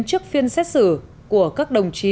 trước phiên xét xử của các đồng chí